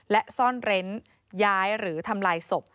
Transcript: และซ่อนเร้นย้ายหรือทำลายศพ